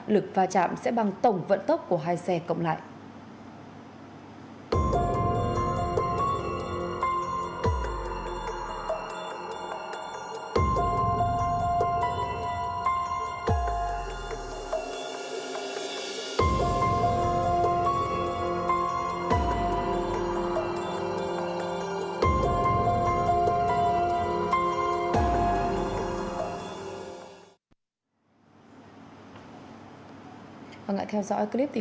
lực pha chạm sẽ bằng tổng vận tốc của hai xe cộng lại